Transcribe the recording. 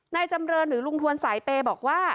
จำเรินหรือลุงทวนสายเปย์บอกว่า